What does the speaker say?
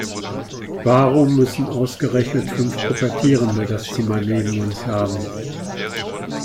Warum müssen ausgerechnet fünf Pubertierende das Zimmer neben uns haben?